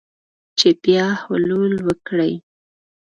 چې بیا حلول وکړي